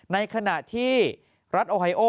ในขณะที่รัฐโอไฮโอ